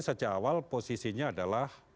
sejak awal posisinya adalah